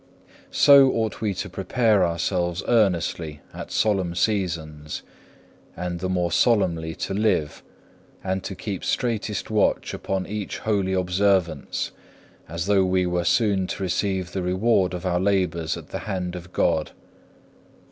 So ought we to prepare ourselves earnestly at solemn seasons, and the more solemnly to live, and to keep straightest watch upon each holy observance, as though we were soon to receive the reward of our labours at the hand of God.